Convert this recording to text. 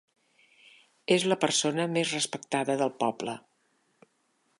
És la persona més respectada del poble.